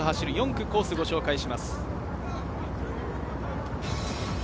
４区のコースを後ほど、ご紹介します。